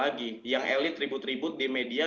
lagi yang elit ribut ribut di media